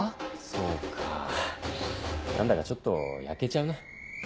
そうか何だかちょっとやけちゃうな。